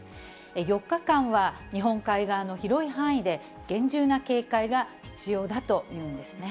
４日間は日本海側の広い範囲で厳重な警戒が必要だというんですよ